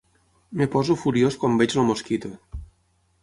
Em poso furiós quan veig el Mosquito.